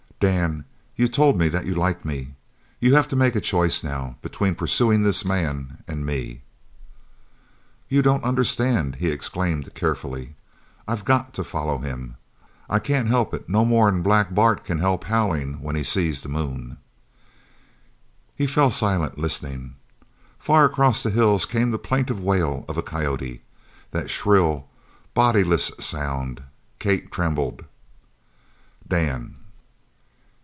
"Dan, you've told me that you like me. You have to make a choice now, between pursuing this man, and me." "You don't understand," he explained carefully. "I got to follow him. I can't help it no more'n Black Bart can help howlin' when he sees the moon." He fell silent, listening. Far across the hills came the plaintive wail of a coyote that shrill bodiless sound. Kate trembled. "Dan!"